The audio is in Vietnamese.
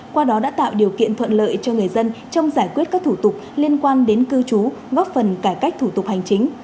qua đó đã tạo điều kiện thuận lợi cho người dân trong giải quyết các thủ tục liên quan đến cư trú góp phần cải cách thủ tục hành chính